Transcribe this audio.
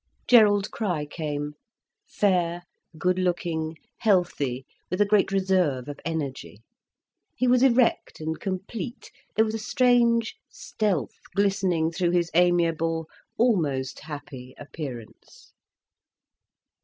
Gerald Crich came, fair, good looking, healthy, with a great reserve of energy. He was erect and complete, there was a strange stealth glistening through his amiable, almost happy appearance.